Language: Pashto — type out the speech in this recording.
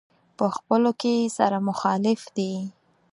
په خپلو کې سره مخالف دي.